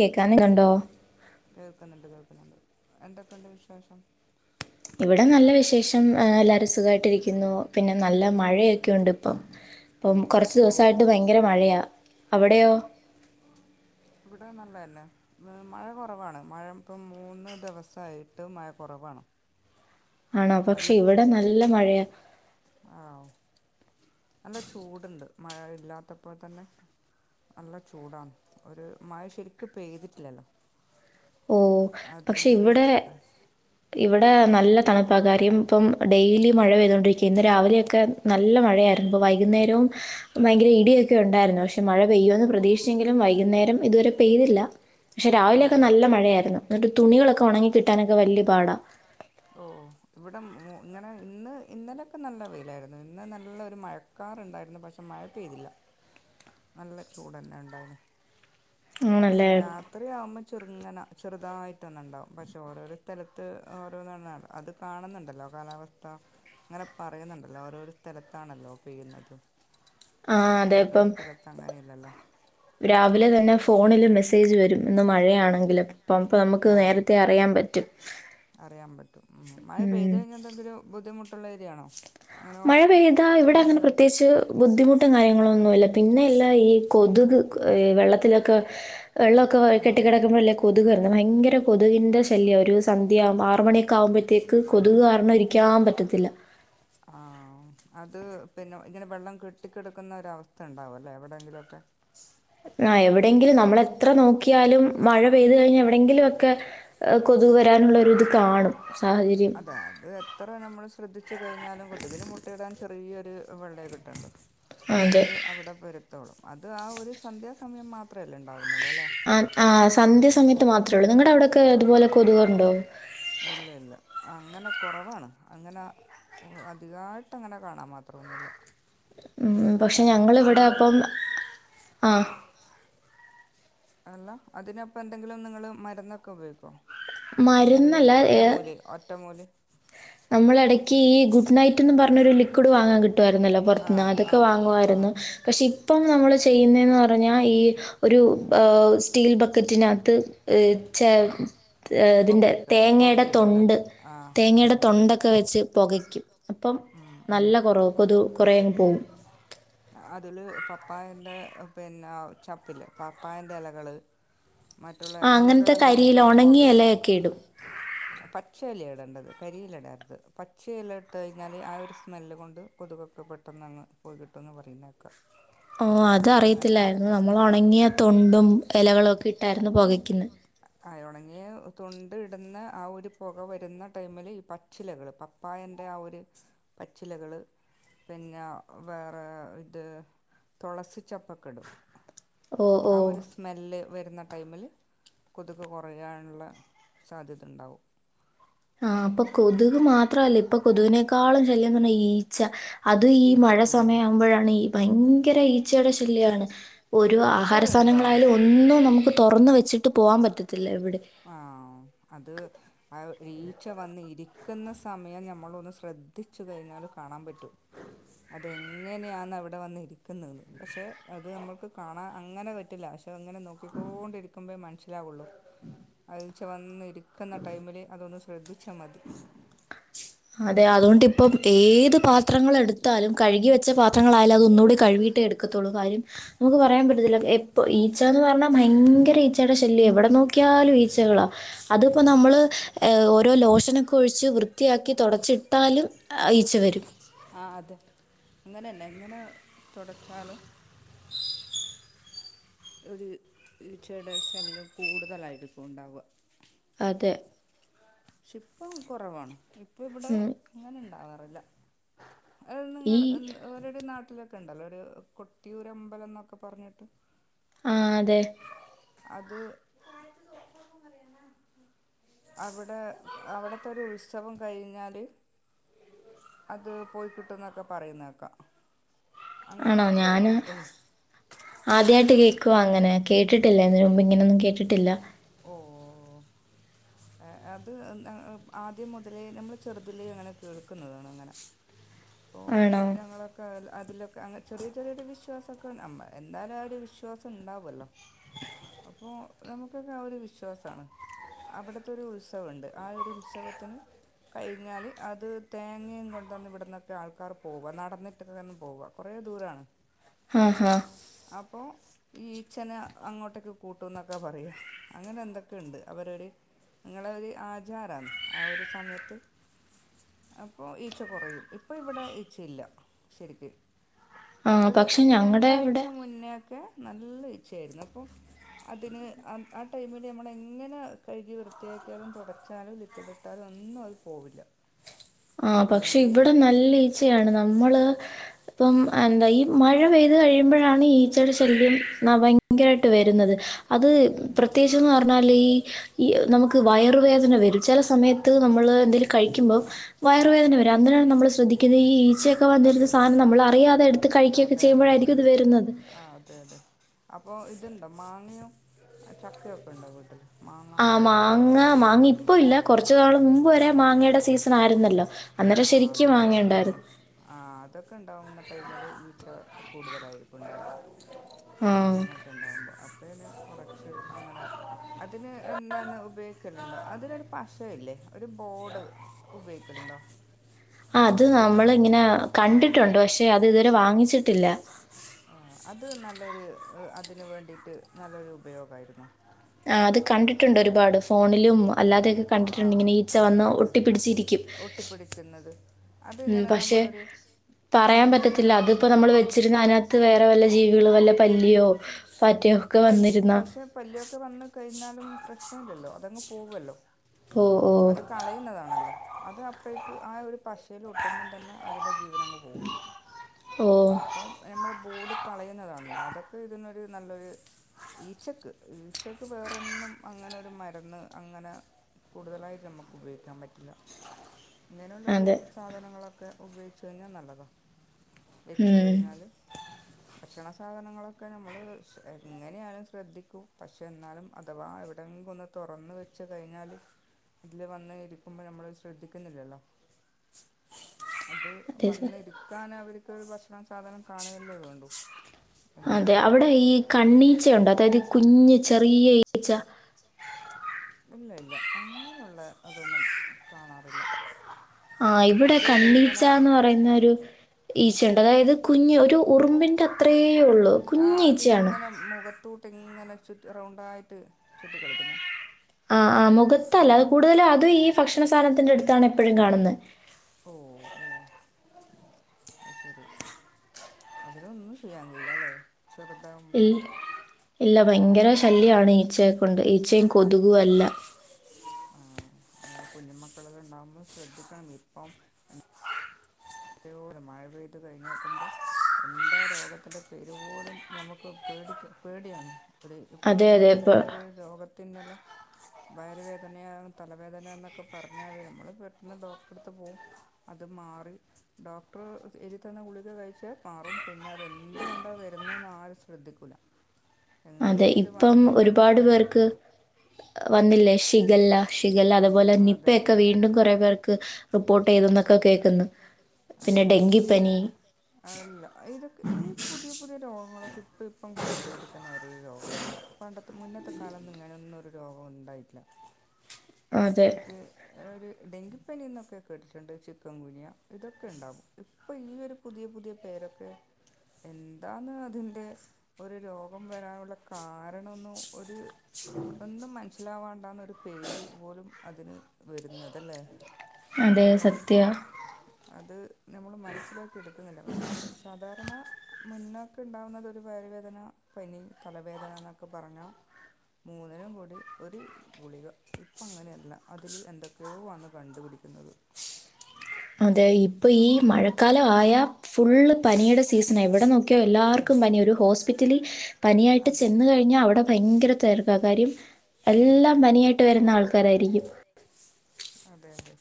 കേക്കാന് കണ്ടോ? കേൾക്കുന്നുണ്ട് കേൾക്കുന്നുണ്ട് എന്തൊക്കെയുണ്ട് വിശേഷം? ഇവടെ നല്ല വിശേഷം എല്ലാരും സുഖായിട്ടിരിക്കുന്നു പിന്നെ നല്ല മഴയൊക്കെുണ്ട് പ്പം ഹ പ്പം കൊർച്ച് ദിവസായിട്ട് ഭയങ്കര മഴയാ അവടെയോ ഇവിടെ നല്ലതെന്നെ മ് മഴ കൊറവാണ് മഴ പ്പം മൂന്ന് ദിവസായിട്ട് മഴ കൊറവാണ് ആണോ പക്ഷെ ഇവടെ നല്ല മഴയാ ആഹ് നല്ല ചൂട്ണ്ട് മഴ ഇല്ലാത്തപ്പോൾ തന്നെ നല്ല ചൂടാണ് ഒരു മഴ ശെരിക്ക്‌ പെയ്തിട്ടില്ലല്ലോ ഓ പക്ഷെ ഇവടെ ഇവടെ നല്ല തണുപ്പ കാര്യം പ്പം ഡെയ്ലി മഴ പെയ്തോണ്ടിരിക്ക ഇന്ന് രാവിലെയൊക്കെ നല്ല മഴയായിരുന്നു ഇപ്പോ വൈകുന്നേരവും ഭയങ്കര ഇ ടിയൊക്കെ ഉണ്ടായിരുന്നു പക്ഷെ മഴ പെയ്യോന്ന് പ്രതീക്ഷിച്ചെങ്കിലും വൈകുന്നേരം ഇതുവരെ പെയ്തില്ല പക്ഷെ രാവിലെയൊക്കെ നല്ല മഴയായിരുന്നു ന്ന്ട്ട് തുണികളൊക്കെ ഒണങ്ങി കിട്ടാനൊക്കെ വല്ല്യ പാട ഓ ഇവടെ മു ഇങ്ങനെ ഇന്ന് ഇന്നലെയൊക്കെ നല്ല വെയിലായിരുന്നു ഇന്ന് നല്ലൊരു മഴ കാറ്ണ്ടായിരുന്നു പക്ഷെ മഴ പെയ്തില്ല നല്ല ചൂടെന്നെ ണ്ടായിന് അത് രാത്രിയാവുമ്പൊ ചെറ്ങ്ങനെ ചെറ്തായിട്ടൊന്ന്ണ്ടാവും പഷ് ഓരോരോ സ്ഥലത്ത് ഓരോന്നാണ് നട് അത് കാണ്ന്ന്ണ്ടല്ലോ കാലാവസ്ഥ ങ്ങനെ പറയുന്നുണ്ടല്ലോ ഓരോര് സ്ഥലത്താണല്ലോ പെയ്യുന്നത് ആഹ് അതെപ്പം രാവിലെ തെന്നെ ഫോണില് മേസേ സേജ് വരും ഇന്ന് മഴയാണെങ്കിൽപ്പ പ്പ നമ് ആഹ് അറിയാൻ പറ്റും മഴ പെയ്ത് കഴിഞ്ഞാ എന്തെങ്കിലും ബുദ്ധിമു ട്ടുള്ളേരിയാണോ അങ്ങനെ കൂടുതലായിട്ട് ബുദ്ധിമുട്ടും കാര്യങ്ങളൊന്നുല്ല പിന്നെയെല്ലാ ഈ കൊതുക് വെള്ളത്തിലൊക്കെ വെള്ളൊ ക്കെ കെട്ടി കെടക്കുമ്പഴല്ലേ കൊതുകെർങ്ങാ ഭയര കൊതുകിന്റെ ശല്യ ഒരു സന്ധ്യ ആവു ആറ് മണിയൊക്കാവുമ്പൊ ത്തേക്ക് കൊതുക് കാരണം ഇരിക്കാൻ പറ്റത്തില്ല ആഹ് അത് പിന്നെ ഇങ്ങനെ വെള്ളം കെട്ടിക്കിടക്കുന്ന ഒരവസ്ഥ ണ്ടാവല്ലേ എവടെങ്കിലൊക്കെ ആഹ് എവടെങ്കിലും നമ്മളെത്ര നോക്യാലും മഴ പെയ്ത് കഴിഞ്ഞ എവടെങ്കിലൊക്കെ കൊതുക് വെരാനുള്ളൊരിത് കാണും സാഹചര്യം അത് എത്ര നമ്മൾ ശ്രദ്ധിച്ചു കഴിഞ്ഞാലും കൊതുകിന് മുട്ടയിടാൻ ചെ പ്പ ഈ ഒര് വെള്ളേ കിട്ടണ്ടു അത് അവടെ പൊരുത്തോളും അത് ആ ഒരു സന്ധ്യാസമയം മാ ത്രല്ലെ ണ്ടാവുന്നൊ ആഹ് ആഹ് സന്ധ്യ സമയത്ത് മാത്രേള്ളു നിങ്ങടെ അവടൊക്കെ ഇതുപോലെ കൊതുകുണ്ടോ ഇല്ലല്ല അങ്ങനെ കൊറവാണ് അങ്ങനെ അധികായിട്ടങ്ങനെ കാണാൻ മാത്രൊന്നുല്ല ഉം ഉം പക്ഷെ ഞങ്ങള് വടെ അപ്പം ആഹ് ആഹ് അല്ല അതിനപ്പെന്തെങ്കിലും ങ്ങള് മരുന്നൊക്കെ ഉപയോഗിക്കോ എന്തെങ്കിലും ഒറ്റമൂലി ഒറ്റമൂലി നമ്മള് എടയ്ക്കീ ഗുഡ് നൈറ്റ്ന്നും പർഞ്ഞൊരു ലിക്വിഡ് വാങ്ങാൻ കി കിട്ടായിരുന്നല്ലോ പൊറത്ത്ന്ന് അതൊക്കെ വാങ്ങുവായിരുന്നു പക്ഷെ ഇപ്പം നമ്മള് ചെയ്യുന്നെ ന്ന് പറഞ്ഞാ ഈ ഒരു സ്റ്റീൽബക്കറ്റിനാത്ത് ചെ ഇതിൻ്റെ തേങ്ങേടെ തൊണ്ട് തേങ്ങേടെ തൊണ്ടൊക്കെ വെച്ച് പൊകയ്ക്കും അപ്പം നല്ല കൊറവ കൊതു കൊറേ അങ്ങ് പോവും അതില് പപ്പായന്റെ പിന്നെ ചപ്പില്ലേ പപ്പായന്റെലകള് മറ്റുള്ള ഇലകളെല്ലാം ഇട്ടിട്ട് പോക പച്ചയിലയാ ഇടേണ്ടത്. കരിയില ഇടരുത്. പച്ചയില ഇട്ട് കഴിഞ്ഞാൽ ആ ഒരു സ്മെല്ല് കൊണ്ട് കൊതുകൊക്കെ പെട്ടെന്ന് അങ്ങ് പോയി കിട്ടോന്ന് പറയുന്നേക്കാം. ഓ അത് അറിയത്തില്ലായിരുന്നു. നമ്മൾ ഉണങ്ങിയ തൊണ്ടും ഇലകളുമൊക്കെ ഇട്ടായിരുന്നു പുകയ്ക്കുന്നത്. ആ ഉണങ്ങിയ തൊണ്ട് ഇടുന്ന ആ ഒരു പുക വരുന്ന ടൈമിൽ ഈ പ പച്ചിലകള് പപ്പായേന്റെ ആ ഒരു പച്ചിലകള് പിന്നെ ഇത് ഇട്ട് തുളസി ചപ്പൊക്കെയിടും ആ ഒരു സ് സ്മെല്ല് വരുന്ന ടൈമിൽ കൊതുക് കുറയാനുള്ള സാധ്യത ഉണ്ടാകും. ആ അപ്പൊ കൊതുക് മാത്രവല്ല ഇപ്പൊ കൊതുവിനെക്കാളും ശല്യന്ന് പറഞ്ഞാൽ ഈ ഈച്ച. അത് ഈ മഴ സമയം ആവുമ്പോഴാണ് ഈ ഭയങ്കര ഈ ഈച്ചടെ ശല്യാണ്. ഒരു ആഹാര സാധനങ്ങളായാലും ഒന്നും നമുക്ക് തുറന്ന് വെച്ചിട്ട് ആ അത് ആ ഈച്ച വന്ന് ഇരിക്കുന്ന സമയം നമ്മളൊന്ന് ശ്രദ്ധിച്ചു കഴിഞ്ഞാൽ കാണാൻ പറ്റും അതെങ്ങനെയാണ് അവിടെ വന്നിരിക്കുന്നത്. പക്ഷെ അത് നമുക്ക് കാണാൻ അങ്ങനെ പറ്റില്ല അതിങ്ങനെ നോക്കിക്കൊണ്ടിരിക്കുമ്പോഴേ മനസ്സിലാവുള്ളൂ. ആ ഈച്ച വന്നിരി ഇരിക്കുന്ന ടൈമില് അതൊന്ന് ശ്രദ്ധിച്ചാൽ മതി. അതെ അതുകൊണ്ട് ഇപ്പം ഏത് പാത്രങ്ങൾ എടുത്താലും കഴുകി വെച്ച പാത്രങ്ങളായാലും അത് ഒന്നുകൂടി കഴുകിയിട്ട് എടു എടുക്കത്തുള്ളൂകാര്യം. നമുക്ക് പറയാൻ പറ്റത്തില്ല എപ്പൊ ഈച്ചന്ന് പറഞ്ഞാൽ ഭയങ്കര ഈച്ചയുടെ ശല്യം എവിടെ നോക്കിയാലും ഈച്ചകളാ. അതിപ്പോ നമ്മൾ ഓരോ ലോഷ ലോഷനൊക്കൊഴിച്ച് വൃത്തിയാക്കി തുടച്ചിട്ടാലും ഈച്ച വരും. ആ അതെ. അങ്ങനന്നെ എങ്ങനെ തുടച്ചാലും. ഒരു ഈച്ചയുടെ ശല്യം കൂടുതലായിരിക്കും ഉണ്ടാവുക. അതെ ഷിപ്പം കുറവാണ് ഇപ്പം ഇവിടെ ഇങ്ങനെ ഇണ്ടാവാറില്ല ഇത് നിങ്ങടെ നാട്ടിലുണ്ട് ആവുമോ കൊട്ടിയൂരമ്പലമെന്നൊക്കെ പറഞ്ഞിട്ട് ആഹ് അതെ അത് [unintelligible] അത് അവിടുത്തെ ഒരു ഉത്സവം കഴിഞ്ഞു കഴിഞ്ഞാൽ അത് പോയി കിട്ടുന്നൊക്കെ പറയുന്നേക്കാം ആണോ ഞാന് ആദ്യായിട്ട് കേക്കുവാ അങ്ങനെ കേട്ടിട്ടില്ല ഇതിനു മുമ്പ് ഇങ്ങനൊന്നും കേട്ടിട്ടില്ല ഓഹ് അത് ന്നാ ആദ്യം മുതലേ നമ്മള് ചെറുതിലേ അങ്ങനെ കേൾക്കുന്നതാണ് അങ്ങനെ ഓ ഞങ്ങള് അതിലൊക്കെ അങ്ങ് ചെറിയ ചെറിയ ഒരു വിശ്വാസമൊക്കെ എന്നാലും ആ ഒരു വിശ്വാസമുണ്ടാവുമല്ലോ അപ്പോ നമുക്കൊക്കെ ആ ഒരു വിശ്വാസമാണ് അവിടത്തെ ഒരു ഉത്സവവുണ്ട് ആ ഒരു ഉത്സവത്തിന് കഴിഞ്ഞാൽ അത് തേങ്ങയും കൊണ്ടന്ന് ഇവിടുന്നൊക്കെ ആൾക്കാർ പോകും നടന്നിട്ട് [unintelligible] ആഹാ അപ്പോ ഈച്ചേനെ അങ്ങോട്ടേക്ക് കൂട്ടുന്നൊക്കെ പറയാ അങ്ങനെ എന്തൊക്കെയുണ്ട് അവരൊരു നിങ്ങളെ ഒരു ആചാരാണ് ആ ഒരു സമയത്ത് അപ്പോ ഈച്ച കുറയും ഇപ്പോ ഇവിടെ ഈച്ചയില്ല ശരിക്ക് ഒരു ഒരു രണ്ടാഴ്ച മുന്നെയൊക്കെ നല്ല ഈച്ചയായിരുന്നു അപ്പോ അതിന് ആ ടൈമിൽ നമ്മള് എങ്ങനെ- കഴുകി വൃത്തിയാക്കിയാലും തൊടച്ചാലും ലിക്വിഡ് ഇട്ടാലും ഒന്നും അത് പോവില്ല ആ പക്ഷെ ഇവിടെ നല്ല ഈച്ചയാണ് നമ്മള് ഇപ്പം എന്താ ഈ - മഴ പെയ്ത് കഴിയുമ്പോഴാണ് ഈച്ചേടെ ശല്യം എന്നാ ഭയ - ഭങ്കരായിട്ട് വരുന്നത് അത് പ്രത്യേകിച്ച് എന്ന് പറഞ്ഞാല് ഈ- ഈ നമുക്ക് വയറുവേദന വരും ചെല സമയത്ത് നമ്മള് എന്തെലും കഴിക്കുമ്പോം- വയറുവേദന വരും അന്നേരാണ് നമ്മള് ശ്രദ്ധിക്കുന്നത് ഈ ഈച്ചയൊക്കെ വന്നിരുന്ന സാധനം നമ്മൾ അറിയാതെടുത്ത്- ത്ത് കഴിക്കൊക്കെ ചെയ്യുമ്പോഴായിരിക്കും ഇത് വരുന്നത് ത് - അപ്പോ ഇതുണ്ടോ മാങ്ങയും ചക്ക ഒക്കെ ഒണ്ടോ വീട്ടിൽ മാങ്ങ മാങ്ങ മാങ്ങ ഇപ്പ ഇല്ല കൊറച്ച് നാൾ മുമ്പ് വരെ മാങ്ങയുടെ സീസൺ- ആരുന്നല്ലോ അന്നേരം ശരിക്കും മാങ്ങയുണ്ടാരുന്നു ആ അതൊക്കെ ഇണ്ടാവുന്ന ടൈമില് ഈച്ച കൂടുതലായിരിക്കും ഒണ്ടാവുക അങ്ങനെയൊക്കെ ഇണ്ടാവുമ്പോ അപ്പഴാണ് കൊറച്ച് അങ്ങനെ- അതിന് എന്താന്ന് ഉപയോഗിക്കലുണ്ടോ അതിനൊരു പശവില്ലേ ഒരു ബോഡ് ഉപയോഗിക്കലുണ്ടോ ആ അത് നമ്മള് ഇങ്ങനെ കണ്ടിട്ടുണ്ട് പക്ഷെ അത് ഇതുവരെ വാങ്ങിച്ചിട്ടില്ല ആഹ് അത് നല്ലൊരു അതിന് വേണ്ടിയിട്ട് നല്ലൊരു ഉപയോഗമായിരുന്നു ആഹ് അത് കണ്ടിട്ടുണ്ട് ഒരുപാട് ഫോണിലും അല്ലാതെയൊക്കെ കണ്ടിട്ടുണ്ട് ഇങ്ങനെ ഈച്ച വന്ന് ഒട്ടിപ്പിടിച്ചിരിക്കും ഒട്ടിപ്പിടിക്കുന്നത് അതിങ്ങനെ നമ്മളൊരു രണ്ട് മൂന്ന് ദിവസൊക്കെ വക്കും പിന്നെ അതിനാത്ത് വേറെ വല്ല ജീവികള് വല്ല പല്ലിയോ പാറ്റയോ- പൽ പക്ഷെ പല്ലിയൊക്കെ വന്ന് കഴിഞ്ഞാലും പ്രശ്നയില്ലല്ലോ അതങ്ങ് പോവല്ലോ അത് കളയുന്നതാണല്ലോ അത് അപ്പോഴേക്ക് ആ ഒരു പശയിൽ ഒട്ടുമ്പം തന്നെ അതിന്റെ ജീവനങ്ങ് പോകും പോകും അപ്പൊ ഞമ്മള് ബോർഡ് കളയുന്നതാണല്ലോ അതൊക്കെ ഇതിനൊരു നല്ലൊരു- ഈച്ചക്ക് ഈച്ചക്ക് വേറൊന്നും അങ്ങനൊരു മരുന്ന് അങ്ങനെ- കൂടുതലായിട്ട് ഞമ്മക്ക് ഉപയോഗിക്കാൻ പറ്റില്ല ഇങ്ങനെയുള്ളൊരു- സാധനങ്ങളൊക്കെ ഉപയോഗിച്ച് കഴിഞ്ഞാൽ നല്ലതാണ് വെച്ച് കഴിഞ്ഞാല് - ഭക്ഷണ സാധനങ്ങളൊക്കെ നമ്മള് ശ്ര എങ്ങനെ ആലും ശ്രദ്ധിക്കും പക്ഷെ എന്നാലും അഥവാ എവിടെങ്കിലും ഒന്ന് - തൊറന്ന് വെച്ച് കയിഞ്ഞാലും - ഇതില് വന്ന് ഇരിക്ക്മ്പോ നമ്മള് ശ്രദ്ധിക്ക്ന്ന് ഇല്ലാല്ലോ അത് വന്നിരിക്കാൻ അവര്ക്ക് ഭക്ഷണ സാധനം കാണുക അല്ലേ വേണ്ടു അതെ അവിടെ ഈ കണ്ണീച്ച ഒണ്ടോ അതായത് ഈ കുഞ്ഞ് ചെറിയ ഈച്ച ഇല്ല ഇല്ല അങ്ങനെയുള്ള അതൊന്നും കാണാറില്ല ആഹ് ഇവിടെ കണ്ണീച്ചാ എന്ന് പറയുന്ന ഒരു- ഈച്ച ഒണ്ട് അതായത് കുഞ്ഞ് ഒരു ഉറുമ്പിൻ്റെ അത്രേ ഒള്ളു കുഞ്ഞ് ഈച്ചയാണ് ഇത്‌ കൂട്ട് ഇങ്ങനെ ചുറ്റ് റൗണ്ടായിട്ട് ചുറ്റി കളിക്കുന്നെ ആഹ് ആഹ് മൊഖത്തല്ല അത് കൂടുതല് അതും ഈ ഭക്ഷണ സാനത്തിൻ്റെ അടുത്താണ് എപ്പഴും കാണുന്നെ ഓ അയ് ശെരി അതിനൊന്നും ചെയ്യാൻ കയില്ലാ അല്ലേ ചെറ്ത് ആവുമ്പോ ഇല്ല ഭയങ്കര ശല്യാണ് ഈച്ചയേ കൊണ്ട് ഈച്ചേയും കൊതും എല്ലാം ആഹ് കുഞ്ഞ് മക്കളെല്ലാം ഇണ്ടാവുമ്പോം ശ്രദ്ധിക്കണം ഇപ്പം എ [unintelligible] മഴ പെയ്ത് കഴിഞ് നോക്കുമ്പം - എന്താ രോഗത്തിന്റെ പെര് പോലും ഞമ്മക്ക് പേടിക്കും പേടിയാണ് ഒര് ഇപ്പോ വെരുന്ന ഒര് രോഗത്തിനെല്ലാം- വയറ് വേദനയാ തലവേദന എന്നൊക്കെ പറഞ്ഞാല് ഞമ്മള് പെട്ടെന്ന് ഡോക്ടറുടെ അടുത്ത് പോവും. അത് മാറി. ഡോക്ടർ എഴുതിത്തന്ന ഗുളിക കഴിച്ചാൽ മാറും, പിന്നെ അത് എന്ത് കൊണ്ടാ വരുന്നേന്ന് ആരും ശ്രദ്ധിക്കൂല. എങ്ങനെ ഇത് വന്നെന്ന് ശ്രദ്ധിക്കൂല. വന്നില്ലേ ഷിഗല്ലാ ഷിഗാല്ല അത് പോലെ നിപ്പയൊക്കെ വീണ്ടും കൊറെ പേർക്ക്. റിപ്പോർട്ട് ചെയ്തു എന്നൊക്കെ കേക്കുന്നു പിന്നെ ഡെങ്കിപ്പനി. അല്ല ഇതൊക്കെ ഈ പുതിയ പുതിയ രോഗങ്ങളൊക്കെ ഇപ്പ ഇപ്പം കണ്ട് പിടിക്കുന്നു ഓരോ രോഗങ്ങളാ. പണ്ടത്തെ മുന്നത്തെ കാലമൊന്നും ഇങ്ങനെയൊന്നും ഒരു രോഗം ഉണ്ടായിട്ടില്ല. ശരിക്ക് ഒരു ഡെങ്കിപ്പനി എന്നൊക്കെ കേട്ടിട്ടുണ്ട്, ചിക്കൻ കുനിയാ ഇതൊക്കെ ഇണ്ടാവും. ഇപ്പൊ ഈ ഒരു പുതിയ പുതിയ പേരൊക്കെ. എന്താന്ന് അതിൻ്റെ ഒരു രോഗം വരാനുള്ള കാരണം ഒന്ന് ഒരു. ഒന്നും മനസ്സിലാവണ്ട എന്ന് ഒരു പേര് പോലും അതിന് വരുന്നതല്ലേ. അതേ സത്യാ. അത് ഞമ്മള് മനസ്സിലാക്കി എടുക്കുന്നില്ല, പക്ഷേ സാധാരണ. മുന്നൊക്കെ ഇണ്ടാവുന്നത് ഒരു വയറ് വേദന, പനി, തലവേദന എന്നൊക്കെ പറഞ്ഞാൽ. മൂന്നിനും കൂടി ഒരു ഗുളിക. ഇപ്പം അങ്ങനെയല്ല അതില് എന്തൊക്കെയോ ആണ് കണ്ട് പിടിക്കുന്നത്. അതെ ഇപ്പൊ ഈ മഴക്കാലം ആയാൽ ഫുള്ള് പനിയുടെ സീസൺ എവിടെ നോ ക്കിയാൽ എല്ലാർക്കും പനി ഒരു ഹോസ്പിറ്റലിൽ പനിയായിട്ട് ചെന്ന് കഴിഞ്ഞാൽ അവിടെ. ഭയങ്കര തൊരക്ക് കാര്യം എല്ലാം പനിയായിട്ട് വരുന്ന ആൾക്കാർ ആയിരിക്കും. അതെ അതെ.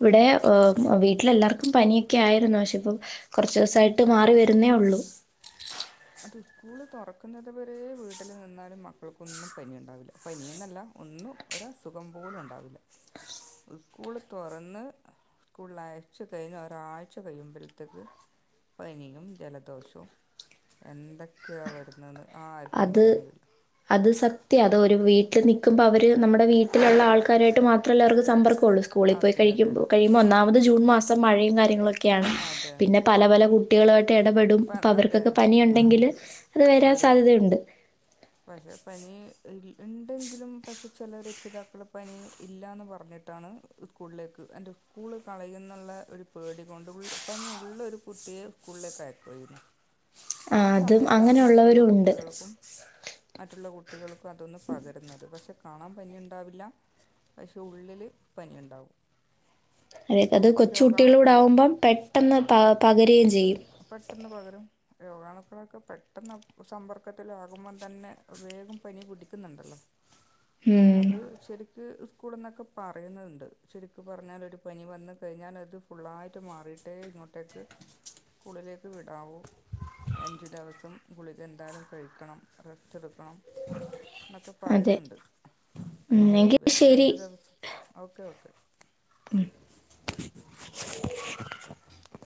ഇവിടെ ഓഹ് വീട്ടിൽ എല്ലാവർക്കും പനിയൊക്കെ ആയിരുന്നു, പക്ഷേ ഇപ്പം കൊറച്ച് ദിവസമായിട്ട് മാറി വരുന്നേയുള്ളൂ. അത് സ്കൂള് തൊറക്കുന്നത് വരെ വീട്ടില് നിന്നാലും മക്കൾക്കൊന്നും പനി ഒണ്ടാവില്ല, പനി എന്ന് അല്ല ഒന്നും. ഒരു അസുഖം പോലും ഒണ്ടാവില്ല ഈ സ്കൂൾ തുറന്ന്. സ്കൂളില് അയച്ച് കഴിഞ്ഞ് ഒരാഴ്ച കഴിയുമ്പോഴേക്കും പനിയും ജലദോഷം. എന്തൊക്കെയാ വരുന്നേ എന്ന് ആർക്കും പറയാൻ കഴിയില്ല. അത് സത്യാ അത് ഒരു വീട്ടില് നിക്കുമ്പോ അവര് നമ്മുടെ വീട്ടിലുള്ള ആൾക്കാരായിട്ട് മാത്രമല്ലേ അവർക്ക് സമ്പർക്കോള്ളൂ. സ്കൂളിൽ പോയി കഴിക്കുമ്പോൾ കഴിയുമ്പോൾ, ഒന്നാമത് ജൂൺ മാസം മഴയും കാര്യങ്ങളും ഒക്കെയാണ്, പിന്നെ പല പല കു കുട്ടികളും ആയിട്ട് ഇടപെടും അപ്പൊ അവർക്കൊക്കെ പനി ഒണ്ടാങ്കിലെ അത് വരാൻ സാധ്യതയുണ്ട്. സാധ്യതയുണ്ട്, പക്ഷേ പനി ഈ. ഇണ്ടാങ്കിലും പക്ഷേ ചെല രക്ഷിതാക്കളെ പനി ഇല്ലാന്ന് പറഞ്ഞിട്ടാണ് സ്കൂളിലേക്ക് എൻ്റെ. സ്കൂൾ കളയുന്നുള്ള ഒരു പേടി കൊണ്ട് ഉൾ പനി ഉള്ള ഒരു കുട്ടിയെ സ്കൂളിലേക്ക് അയക്കും. വരുന്നു ആഹ് സമയത്താണ് മറ്റുള്ള കുട്ടികൾക്കും. മറ്റുള്ള കുട്ടികൾക്കും അതൊന്ന് പകരുന്നത്, പക്ഷെ. കാണാൻ പനി ഉണ്ടാവില്ല, പക്ഷെ ഉള്ളിൽ പനിയുണ്ടാവും. അതെ, അത് കൊച്ച് കുട്ടികളും കൂടിയാകുമ്പോൾ പെട്ടെന്ന് പ പകരുകയും ചെയ്യും. പെട്ടെന്ന് പകരും. രോഗാണുക്കൾ ഒക്കെ പെട്ടെന്ന് സമ്പർക്കത്തിൽ ഒക്കെ ആകുമ്പോ തന്നെ വേഗം പനി പിടിക്കുന്നുണ്ടല്ലോ. അത് ശരി. ഒരു സ്കൂള് എന്നൊക്കെ പറയുന്നുണ്ട്, ശരിക്ക് പറഞ്ഞാൽ ഒരു പനി വന്ന് കഴിഞ്ഞാൽ അത്. ഫുള്ളായിട്ട് മാറിട്ടേ ഇങ്ങോട്ടേക്ക് സ്കൂളിലേക്ക് വിടാവൂ. അഞ്ച് ദിവസം ഗുളിക എന്താലും കഴിക്കണം റെസ്റ്റ് എടുക്കണം. എന്നൊക്കെ പറയുന്നുണ്ട്, പക്ഷേ ഇവരെ രണ്ട് ദിവസം ഓക്കേ ഓക്കേ. ഉം